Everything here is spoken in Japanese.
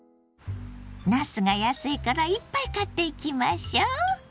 なすが安いからいっぱい買っていきましょう！